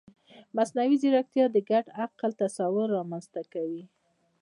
مصنوعي ځیرکتیا د ګډ عقل تصور رامنځته کوي.